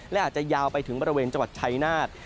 และอาจจะยาวไปถึงบริเวณจังหวัดชายนาฏ